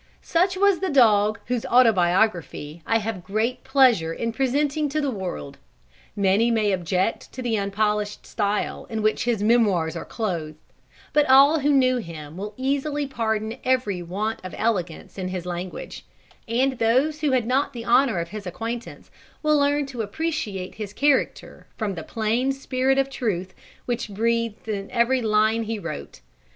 Such was the Dog whose autobiography I have great pleasure in presenting to the world. Many may object to the unpolished style in which his memoirs are clothed, but all who knew him will easily pardon every want of elegance in his language; and those who had not the honour of his acquaintance, will learn to appreciate his character from the plain spirit of truth which breathes in every line he wrote.